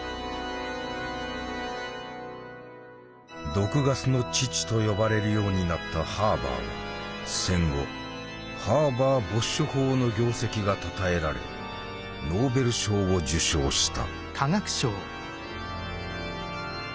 「毒ガスの父」と呼ばれるようになったハーバーは戦後ハーバー・ボッシュ法の業績がたたえられノーベル賞を受賞した。